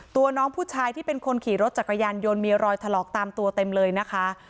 ตัวน้องผู้ชายที่เป็นคนขี่รถจักรยานยนต์มีรอยถลอกตามตัวเต็มเลยนะคะ